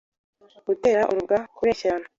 gutera urubwa, kubeshyerana,